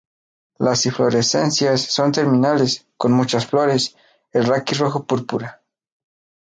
Las inflorescencias son terminales, con muchas flores, el raquis rojo púrpura.